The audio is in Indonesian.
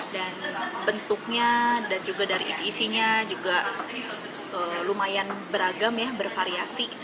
dan bentuknya dan juga dari isi isinya juga lumayan beragam ya bervariasi